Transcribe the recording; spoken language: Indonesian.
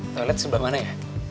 toilet sebelah mana ya